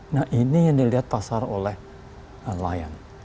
nah ini yang dilihat pasar oleh lion air